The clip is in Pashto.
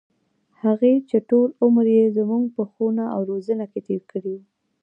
هغـې چـې ټـول عـمر يـې زمـوږ په ښـوونه او روزنـه کـې تېـر کـړى و.